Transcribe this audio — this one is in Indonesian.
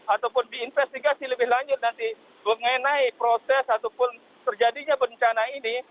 ataupun diinvestigasi lebih lanjut nanti mengenai proses ataupun terjadinya bencana ini